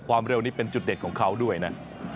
ความเร็วนี้เป็นจุดเด่นของเขาด้วยนะ